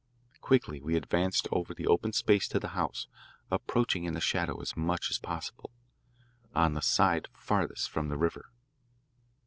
Quickly we advanced over the open space to the house, approaching in the shadow as much as possible, on the side farthest from the river.